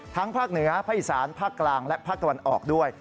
ภาคเหนือภาคอีสานภาคกลางและภาคตะวันออกด้วย